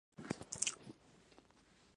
ایا زه باید د زعفران چای وڅښم؟